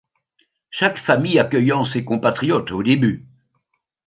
Chaque famille accueillant ses compatriotes au début.